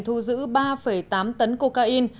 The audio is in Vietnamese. thu giữ ba tám tấn cocaine